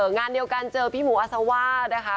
งานเดียวกันเจอพี่หมูอาซาว่านะคะ